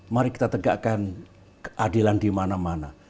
mari kita tegakkan keadilan dimana mana